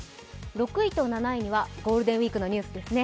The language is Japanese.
６位と７位はゴールデンウイークのニュースですね。